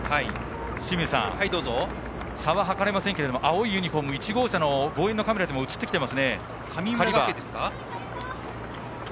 清水さん、差は計れませんが青いユニフォーム１号車のカメラでも映ってきていますね。